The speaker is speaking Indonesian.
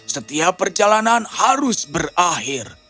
setiap perjalanan harus berakhir